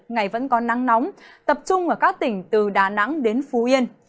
ngày vẫn có nắng nóng tập trung ở các tỉnh từ đà nẵng đến phú yên